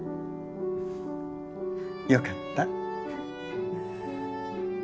よかった。